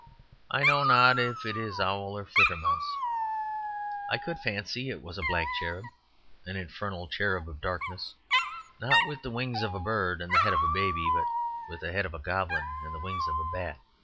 I know not if it is owl or flittermouse; I could fancy it was a black cherub, an infernal cherub of darkness, not with the wings of a bird and the head of a baby, but with the head of a goblin and the wings of a bat.